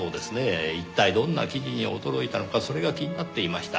一体どんな記事に驚いたのかそれが気になっていました。